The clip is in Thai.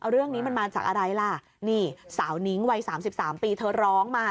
เรื่องนี้มันมาจากอะไรล่ะนี่สาวนิ้งวัย๓๓ปีเธอร้องมา